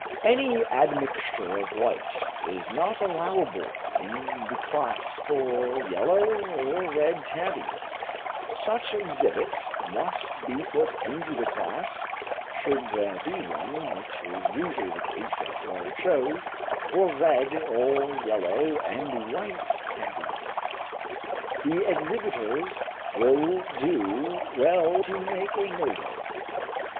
Any admixture of white is not allowable in the class for yellow or red tabbies; such exhibit must be put into the class (should there be one, which is usually the case at large shows) for red or yellow and white tabbies. This exhibitors will do well to make a note of.